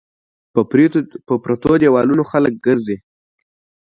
په پريوتو ديوالونو خلک ګرځى